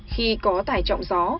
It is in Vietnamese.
khi có tải trọng gió